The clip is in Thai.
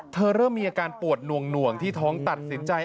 เริ่มมีอาการปวดหน่วงที่ท้องตัดสินใจ